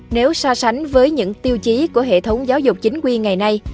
nếu so sánh với những tiêu chí của hệ thống giáo dục chính quy ngày nay